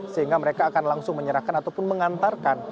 sehingga mereka akan langsung menyerahkan ataupun mengantarkan